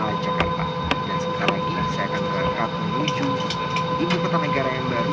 di jakarta dan sebentar lagi saya akan berangkat menuju ibu kota negara yang baru